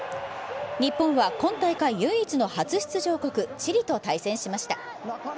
日本は今大会、唯一の初出場国、チリと対戦しました。